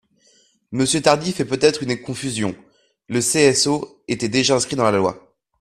Monsieur Tardy fait peut-être une confusion : le CSO était déjà inscrit dans la loi.